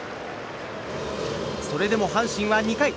それでも阪神は２回。